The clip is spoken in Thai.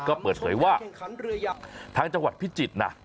ก็เปิดเผยว่าทางจังหวัดพิจิตรนะ